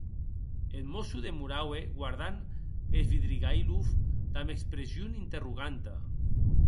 Eth mosso demoraue, guardant a Svidrigailov, damb expression interroganta.